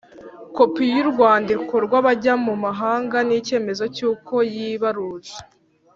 kopi y’urwandiko rw’abajya mu mahanga n’icyemezo cy’uko yibaruje